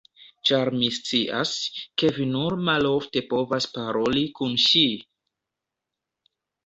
Ĉar mi scias, ke vi nur malofte povas paroli kun ŝi!